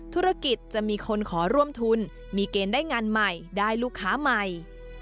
ธุรกิจจะมีคนขอร่วมทุนมีเกณฑ์ได้งานใหม่ได้ลูกค้าใหม่